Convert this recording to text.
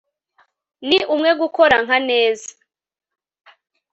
ni umwe gukora nka neza